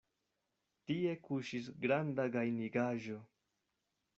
Tie kuŝis granda gajnigaĵo.